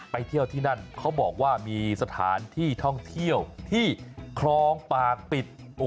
ไปเที่ยวที่นั่นเขาบอกว่ามีสถานที่ท่องเที่ยวที่คลองปากปิด